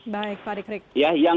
baik pak dikrik